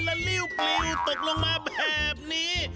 และริ้วปลิวตกลงมาแบบนี้